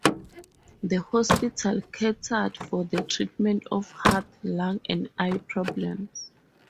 The hospital catered for the treatment of heart, lung and eye problems.